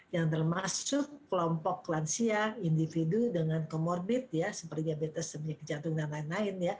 yang termasuk kelompok lansia individu dengan comorbid ya seperti diabetes penyakit jantung dan lain lain